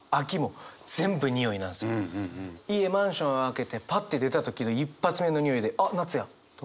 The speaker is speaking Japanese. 家マンション開けてパッて出た時の一発目のにおいであっ夏やとか。